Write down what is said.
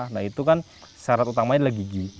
nah itu kan syarat utamanya adalah gigi